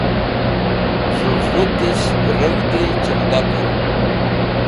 Z̃hũ vũrũtish reg̃hdi chilgaker.